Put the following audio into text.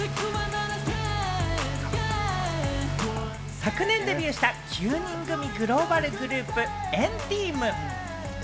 昨年デビューした９人組グローバルグループ、＆ＴＥＡＭ。